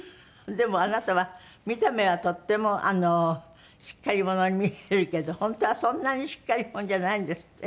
でもあなたは見た目はとってもしっかり者に見えるけど本当はそんなにしっかり者じゃないんですって？